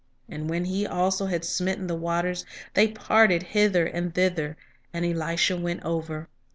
and when he also had smitten the waters, they parted hither and thither; and Elisha went over.